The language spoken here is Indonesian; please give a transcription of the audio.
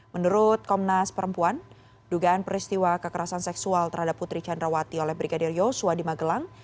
menurut komnas perempuan dugaan peristiwa kekerasan seksual terhadap putri candrawati oleh brigadir yosua di magelang